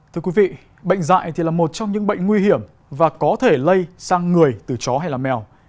thưa quý vị bệnh dạy thì là một trong những bệnh nguy hiểm và có thể lây sang người từ chó hay mèo